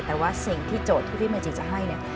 แต่ว่าสิ่งที่โจทย์ที่พี่เมจิจะให้เนี่ย